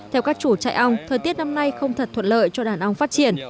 theo các chủ trại ong thời tiết năm nay không thật thuận lợi cho đàn ong phát triển